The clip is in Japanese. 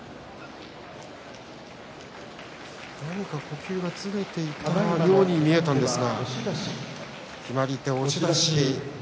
何か呼吸がずれていたように見えたんですが決まり手は押し出し。